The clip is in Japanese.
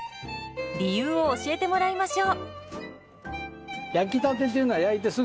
理由を教えてもらいましょう。